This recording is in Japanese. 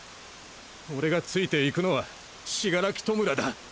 俺がついて行くのは死柄木弔だ。